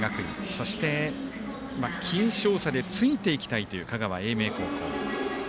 そして、僅少差でついていきたい香川、英明高校。